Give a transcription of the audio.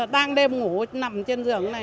đang đêm ngủ nằm trên giường này